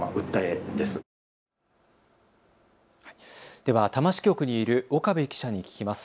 では多摩支局にいる岡部記者に聞きます。